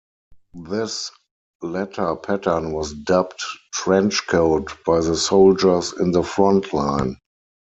This latter pattern was dubbed "trench coat" by the soldiers in the front line.